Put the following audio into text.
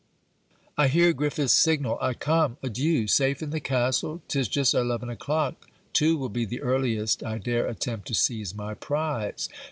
I hear Griffiths' signal. I come. Adieu. Safe in the castle! 'Tis just eleven o'clock. Two will be the earliest I dare attempt to seize my prize.